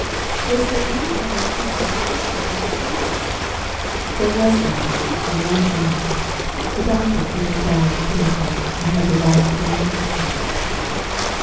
Was there any other competent person I could think of? There was one, and one only the doctor who had died at Pimlico, and had revived again at Hampstead.